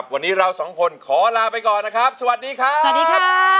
วันนี้เราสองคนขอลาไปก่อนสวัสดีครับ